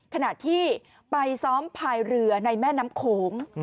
ขณะที่ไปซ้อมพายเรือในแม่น้ำโขง